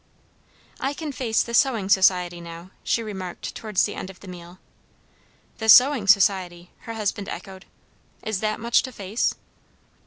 "I can face the Sewing Society now," she remarked towards the end of the meal. "The Sewing Society!" her husband echoed. "Is that much to face?"